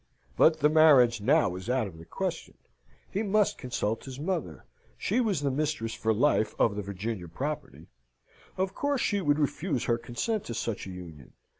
But the marriage now was out of the question. He must consult his mother. She was the mistress for life of the Virginian property. Of course she would refuse her consent to such a union.